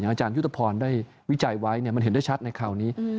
อย่างอาจารย์ยุตภรณ์ได้วิจัยไว้มันเห็นได้ชัดในคราวนี้